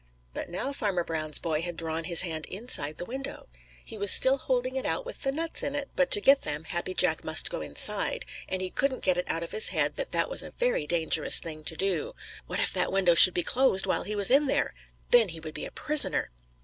But now Farmer Brown's boy had drawn his hand inside the window. He was still holding it out with the nuts in it, but to get them Happy Jack must go inside, and he couldn't get it out of his head that that was a very dangerous thing to do. What if that window should be closed while he was in there? Then he would be a prisoner.